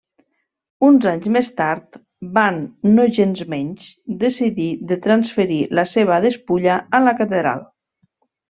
Uns anys més tard van nogensmenys decidir de transferir la seva despulla a la catedral.